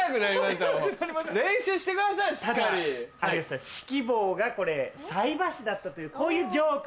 ただ有吉さん指揮棒がこれ菜箸だったというこういうジョークも。